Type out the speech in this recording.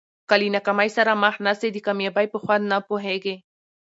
که له ناکامۍ سره مخ نه سې د کامیابۍ په خوند نه پوهېږې.